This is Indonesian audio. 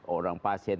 orang pasien yang